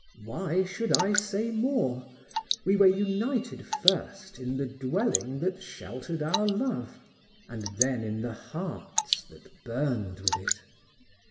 Why should I say more: We were united first in the dwelling that sheltered our love, and then in the hearts that burned with it.